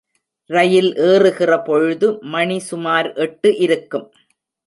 ரயில் ஏறுகிறபொழுது மணி சுமார் எட்டு இருக்கும்.